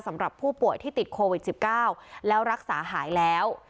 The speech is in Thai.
สำหรับผู้ป่วยที่ติดโควิด๑๙แล้วรักษาหายแล้ว